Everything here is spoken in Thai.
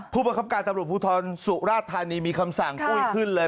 ประคับการตำรวจภูทรสุราธานีมีคำสั่งปุ้ยขึ้นเลย